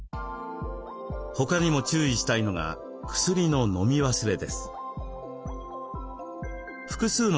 他にも注意したいのが薬の飲み忘れです。